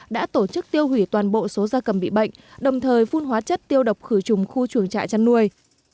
đã tổ chức tiêu hủy toàn bộ số gia cầm bị bệnh đồng thời phun hóa chất tiêu độc khử trùng khu trường trại chăn nuôi